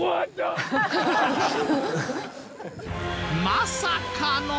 まさかの。